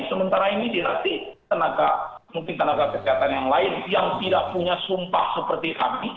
sementara ini dilatih tenaga mungkin tenaga kesehatan yang lain yang tidak punya sumpah seperti kami